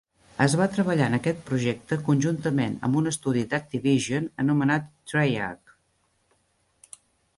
Es va treballar en aquest projecte conjuntament amb un estudi d'Activision anomenat Treyarch.